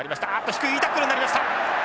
低いいいタックルになりました。